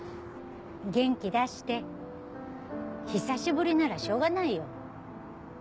元気出して久しぶりならしょうがないよ。